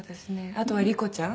あとは理子ちゃん。